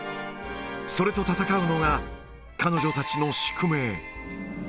それと戦うのが彼女たちの宿命。